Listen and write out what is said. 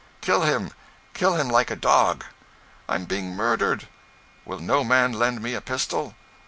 ] "Kill him! Kill him like a dog!" "I'm being murdered! Will no man lend me a pistol?"